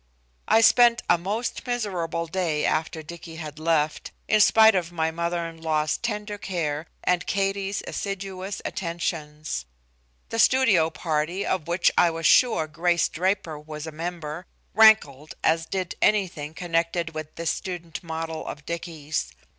I spent a most miserable day after Dicky had left, in spite of my mother in law's tender care and Katie's assiduous attentions. The studio party, of which I was sure Grace Draper was a member, rankled as did anything connected with this student model of Dicky's.